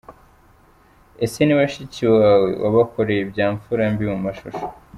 Ese ni bashiki bawe? Wabakoreye ibya mfura mbi mu mashusho.